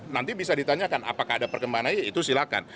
nanti bisa ditanyakan apakah ada perkembangan aja itu silakan